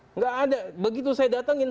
enggak ada begitu saya datangin